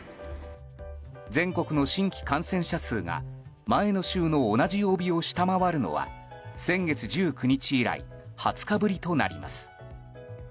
全国の新規感染者数が前の週の同じ曜日を下回るのは先月１９日以来２０日ぶりとなります。